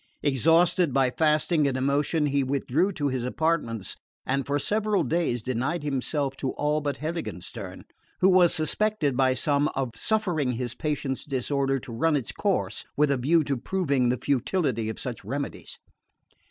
Exhausted by fasting and emotion, he withdrew to his apartments and for several days denied himself to all but Heiligenstern, who was suspected by some of suffering his patient's disorder to run its course with a view to proving the futility of such remedies.